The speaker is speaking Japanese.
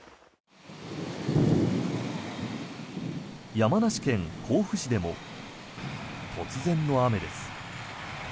山梨県甲府市でも突然の雨です。